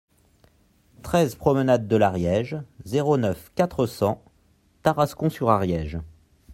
treize promenade de l'Ariège, zéro neuf, quatre cents, Tarascon-sur-Ariège